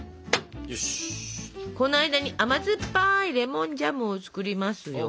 この間に甘酸っぱいレモンジャムを作りますよ。